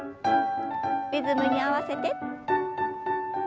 リズムに合わせて。